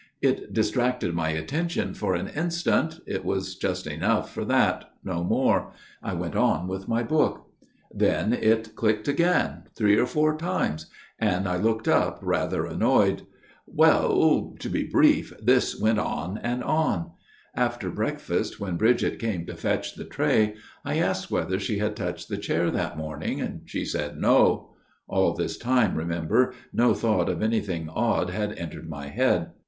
It distracted my attention for an instant it was just enough for that ; no more. I went on with my book. " Then it clicked again, three or four times ; and I looked up, rather annoyed. ... Well, to be brief, this went on and on. After break fast when Bridget came to fetch the tray I asked FATHER GIRDLESTONE'S TALE 119 whether she had touched the chair that morning. She told me No. (All this time, remember, no thought of anything odd had entered my head.)